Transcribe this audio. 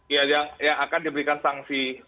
ya yang akan diberikan sanksi